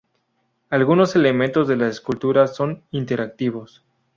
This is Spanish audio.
Algunos elementos de la escultura son interactivos.